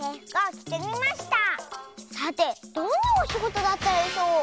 さてどんなおしごとだったでしょう？